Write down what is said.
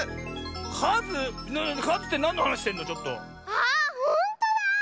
あほんとだ！